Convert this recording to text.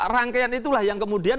rangkaian itulah yang kemudian